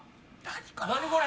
何これ！